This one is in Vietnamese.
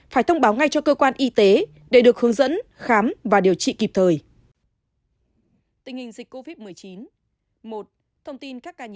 phải thông báo ngay cho cơ quan y tế để được hướng dẫn khám và điều trị kịp thời